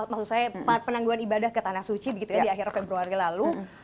maksud saya penangguhan ibadah ke tanah suci begitu ya di akhir februari lalu